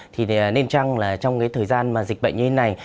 thì nên chăng là trong thời gian dịch bệnh như thế này